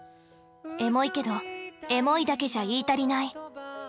エモいけどエモいだけじゃ言い足りない！